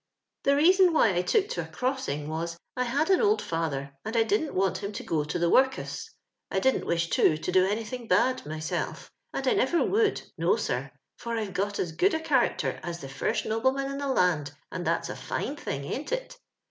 " The reason why I took to a crossing was, I had an old father and I didn't want him to go to tho workus. I didn't wish too to do anythiog bad myself, and I never would — ^no, sir, for I've got 08 good a charackter as the first noble man in the land, and that's a fine thing, ain't it?